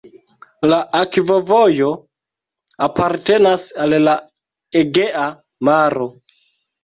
La akvovojo apartenas al la Egea Maro.